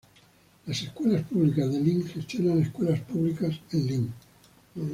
Las Escuelas Públicas de Lynn gestiona escuelas públicas en Lynn.